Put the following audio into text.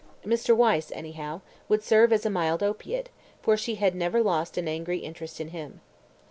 Mr. Wyse, anyhow, would serve as a mild opiate, for she had never lost an angry interest in him.